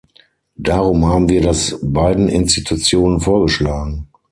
Darum haben wir das beiden Institutionen vorgeschlagen.